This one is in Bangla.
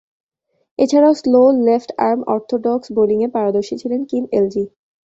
এছাড়াও, স্লো লেফট-আর্ম অর্থোডক্স বোলিংয়ে পারদর্শী ছিলেন কিম এলজি।